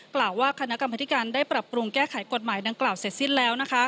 กล่าวว่าคณะกรรมธิการได้ปรับปรุงแก้ไขกฎหมายดังกล่าวเสร็จสิ้นแล้ว